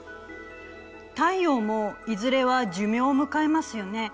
太陽もいずれは寿命を迎えますよね。